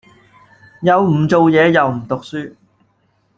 又唔做嘢又唔讀書